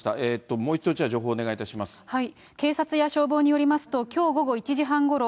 もう一度、じゃあ、情報をお願い警察や消防によりますと、きょう午後１時半ごろ、